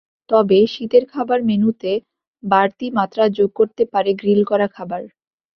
তবে, শীতের খাবার মেন্যুতে বাড়তি মাত্রা যোগ করতে পারে গ্রিল করা খাবার।